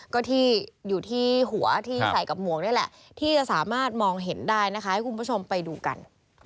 ก็ที่อยู่ที่หัวที่ใส่กับหมวกนี่แหละที่จะสามารถมองเห็นได้นะคะให้คุณผู้ชมไปดูกัน